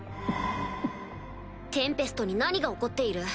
テンペストに何が起こっている？